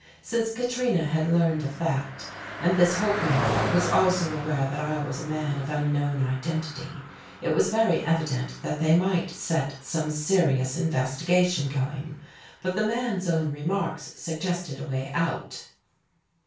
Since Katrina had learned of that, and this Holknecht was also aware that I was a man of unknown identity, it was very evident that they might set some serious investigation going. But the man's own remarks suggested a way out.